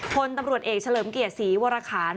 พลตำรวจเอกเฉลิมเกียรติศรีวรคาร